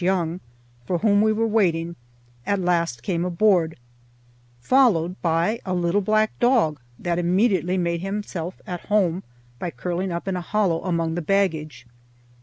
Young, for whom we were waiting, at last came aboard, followed by a little black dog, that immediately made himself at home by curling up in a hollow among the baggage.